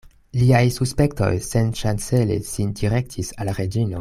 Liaj suspektoj senŝancele sin direktis al Reĝino.